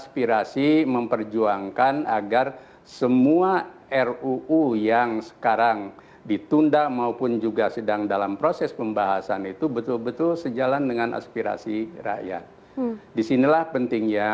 bersama bapak bapak sekalian